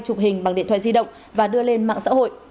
chụp hình bằng điện thoại di động và đưa lên mạng xã hội